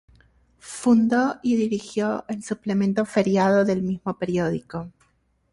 Fundó y dirigió el suplemento Feriado del mismo periódico.